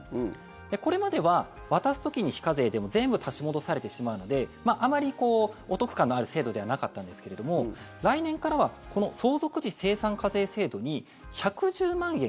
これまでは渡す時に非課税でも全部、足し戻されてしまうのであまりお得感のある制度ではなかったんですけれども来年からはこの相続時精算課税制度に１１０万円